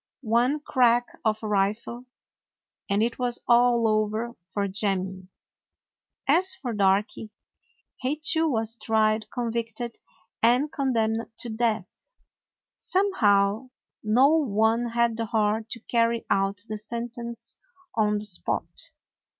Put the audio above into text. One crack of a rifle, and it was all over for Jemmy. As for Darky, he too was tried, convicted, and condemned to death. Somehow no one had the heart to carry out the sentence on the spot.